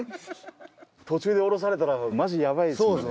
途中で降ろされたらマジでヤバいですもんね。